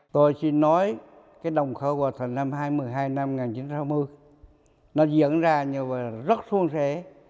tôi chỉ nói cái đồng khởi hòa thịnh năm hai mươi hai năm một nghìn chín trăm sáu mươi nó diễn ra như vậy là rất xuân xế